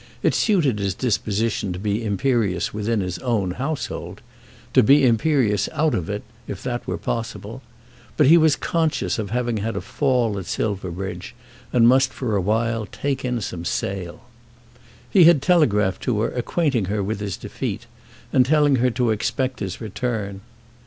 It suited his disposition to be imperious within his own household; to be imperious out of it, if that were possible; but he was conscious of having had a fall at Silverbridge, and he must for a while take in some sail. He had telegraphed to her, acquainting her with his defeat, and telling her to expect his return.